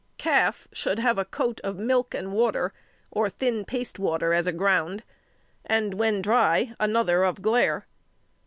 Calf should have a coat of milk and water or thin paste water as a ground, and when dry another of glaire.